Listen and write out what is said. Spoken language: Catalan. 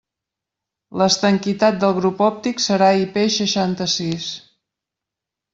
L'estanquitat del grup òptic serà IP seixanta-sis.